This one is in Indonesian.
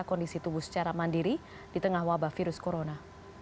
kondisi tubuh secara mandiri di tengah wabah virus corona